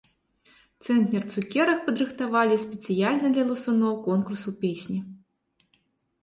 Цэнтнер цукерак падрыхтавалі спецыяльна для ласуноў конкурсу песні.